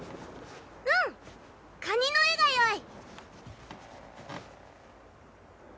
うんカニの絵がよい！